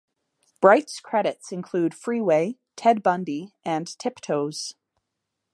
Bright's credits include "Freeway", "Ted Bundy", and "Tiptoes".